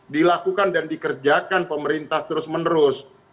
dilakukan dan dikerjakan pemerintah terus menerus